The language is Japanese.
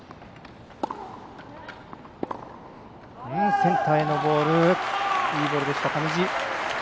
センターへのボールいいボールでした、上地。